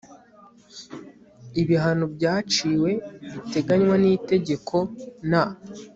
ibihano byaciwe biteganywa n itegeko n